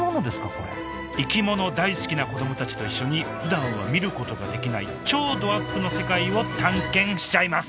これ生き物大好きな子どもたちと一緒にふだんは見ることができない超どアップの世界を探検しちゃいます！